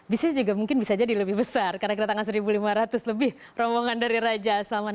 bisnis juga mungkin bisa jadi lebih besar karena kedatangan satu lima ratus lebih rombongan dari raja salman